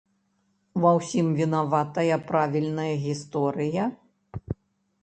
Ва ўсім вінаватая правільная гісторыя?